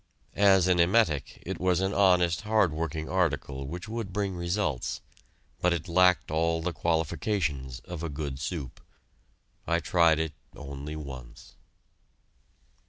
As an emetic, it was an honest, hard working article which would bring results, but it lacked all the qualifications of a good soup. I tried it only once.